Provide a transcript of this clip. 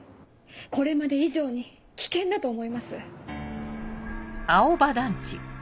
これまで以上に危険だと思います。